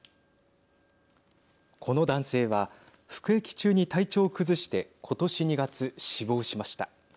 この男性は服役中に体調を崩して今年２月死亡しました。